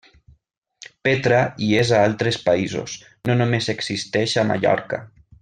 Petra hi és a altres països, no només existeix a Mallorca.